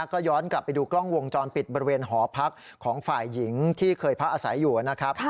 ก็ย้อนกลับไปดูกล้องวงจรปิดบริเวณหอพักของฝ่ายหญิงที่เคยพักอาศัยอยู่นะครับ